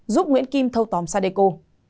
ba giúp nguyễn kim thâu tóm sadeco